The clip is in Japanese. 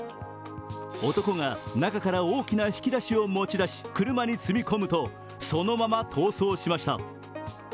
男が中から大きな引き出しを持ち出し車に積み込むとそのまま逃走しました。